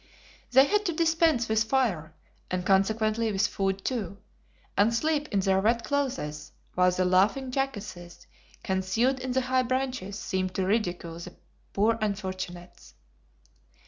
They had to dispense with fire, and consequently with food too, and sleep in their wet clothes, while the laughing jackasses, concealed in the high branches, seemed to ridicule the poor unfortunates.